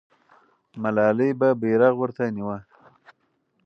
ملالۍ به بیرغ ورته نیوه.